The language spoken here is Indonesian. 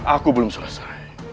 aku belum selesai